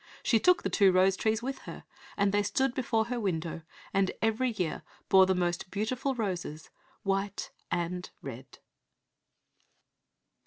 She took the two rose trees with her, and they stood before her window, and every year bore the most beautiful roses, white and red.